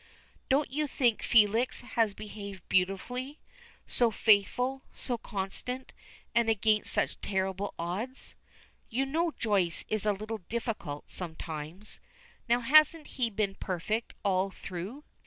Don't you think Felix has behaved beautifully so faithful, so constant, and against such terrible odds? You know Joyce is a little difficult sometimes. Now hasn't he been perfect all through?"